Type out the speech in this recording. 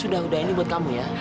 udah ini buat kamu ya